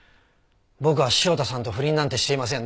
僕は汐田さんと不倫なんてしていません。